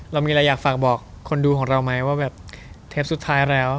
เรามีอะไรอยากฝากบอกคนดูของเราไหมว่าแบบเทปสุดท้ายแล้ว